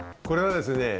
これはですね